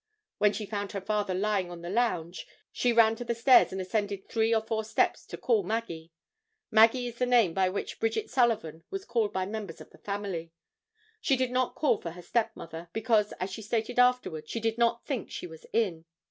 When she found her father lying on the lounge, she ran to the stairs and ascended three or four steps to call Maggie. Maggie is the name by which Bridget Sullivan was called by members of the family. She did not call for her stepmother, because, as she stated afterward, she did not think she was in.